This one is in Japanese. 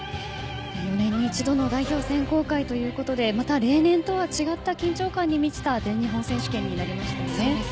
４年に一度の代表選考会ということでまた例年とは違った緊張感に満ちた全日本選手権になりましたね。